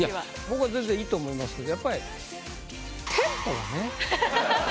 僕は全然いいと思いますけどやっぱりはははっ。